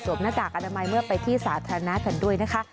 หน้ากากอนามัยเมื่อไปที่สาธารณะกันด้วยนะคะ